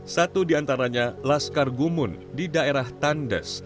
satu di antaranya laskar gumun di daerah tandes